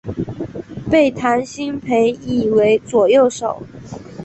被谭鑫培倚为左右手。